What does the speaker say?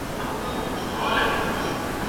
په پښتو ژبه کي د بیان آزادي خوندي ده.